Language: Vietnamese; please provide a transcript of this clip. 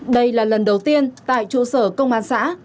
đây là lần đầu tiên tại trụ sở công an xã